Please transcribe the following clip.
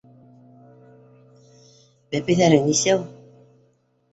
Бәпәйҙәрең нисәү?